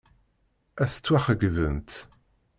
Ad tettwaxeyybemt.